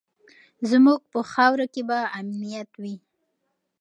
زموږ په خاوره کې به امنیت وي.